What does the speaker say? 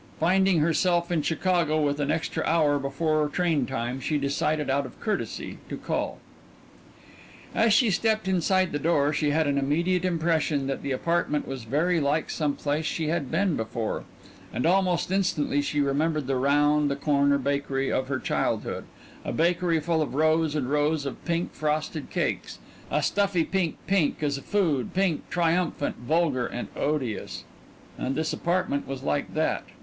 Finding herself in Chicago with an extra hour before train time, she decided out of courtesy to call. As she stepped inside the door she had an immediate impression that the apartment was very like some place she had seen before and almost instantly she remembered a round the corner bakery of her childhood, a bakery full of rows and rows of pink frosted cakes a stuffy pink, pink as a food, pink triumphant, vulgar, and odious. And this apartment was like that.